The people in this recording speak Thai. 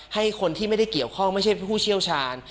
ให้คนที่ไม่ได้เกี่ยวข้องไม่ใช่ผู้เชี่ยวชาญ